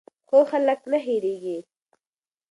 ښه خلک نه هېریږي.